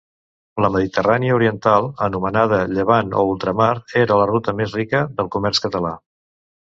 La Mediterrània oriental, anomenada Llevant o ultramar, era la ruta més rica del comerç català.